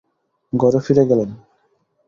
ঘরে ফিরে গেলেন।